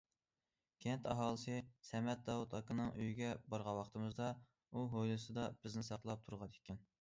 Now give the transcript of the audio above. كەنت ئاھالىسى سەمەت داۋۇت ئاكىنىڭ ئۆيىگە بارغان ۋاقتىمىزدا، ئۇ ھويلىسىدا بىزنى ساقلاپ تۇرغان ئىكەن.